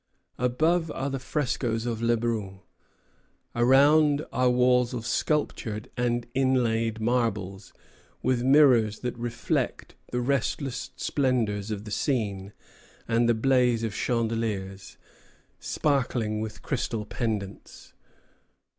Above are the frescos of Le Brun; around are walls of sculptured and inlaid marbles, with mirrors that reflect the restless splendors of the scene and the blaze of chandeliers, sparkling with crystal pendants.